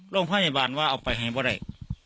โรงพยาบาลว่าเอาไปให้บ้าได้